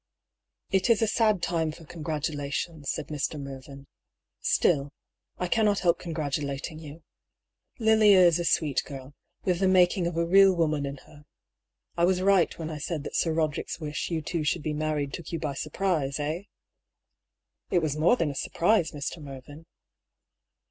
^'It is a sad time for congratulations," said Mr. Mervyn; "still, I cannot help congratulating you. Lilia is a sweet girl, with the making of a real woman in her. I was right when I said that Sir Roderick's wish you two should be married took you by surprise, eh?" " It was more than a surprise, Mr. Mervyn."